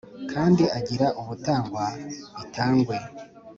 Kandi agira ubutangwa itangwe